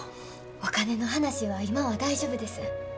お金の話は今は大丈夫です。